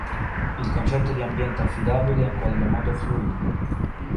Il concetto di ambiente affidabile è in qualche modo fluido.